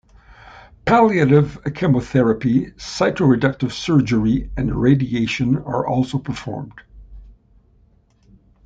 Palliative chemotherapy, cytoreductive surgery, and radiation are also performed.